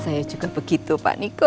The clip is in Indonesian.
saya juga begitu pak niko